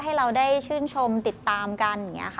ให้เราได้ชื่นชมติดตามกัน